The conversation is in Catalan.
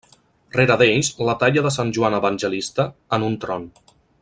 Rere d'ells la talla de Sant Joan Evangelista, en un tron.